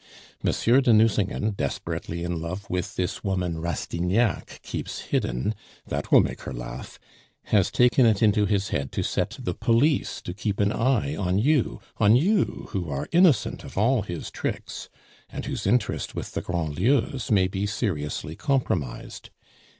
Monsieur de Nucingen, desperately in love with this woman Rastignac keeps hidden that will make her laugh has taken it into his head to set the police to keep an eye on you on you, who are innocent of all his tricks, and whose interest with the Grandlieus may be seriously compromised.